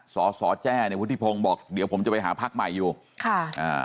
สอสอแจ้เนี่ยวุฒิพงศ์บอกเดี๋ยวผมจะไปหาพักใหม่อยู่ค่ะอ่า